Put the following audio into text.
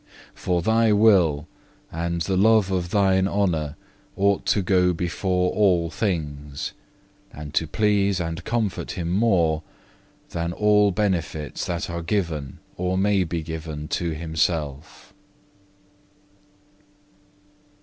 For Thy will and the love of Thine honour ought to go before all things, and to please and comfort him more, than all benefits that are given or may be given to himself.